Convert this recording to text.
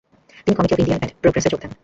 তিনি committee of union and প্রগ্রেসে যোগ দেন।